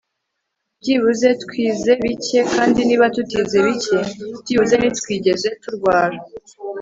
byibuze twize bike, kandi niba tutize bike, byibuze ntitwigeze turwara